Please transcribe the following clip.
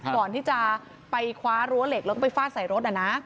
ก่อนที่จะไปคว้ารั้วเหล็กแล้วก็ไปฟาดใส่รถ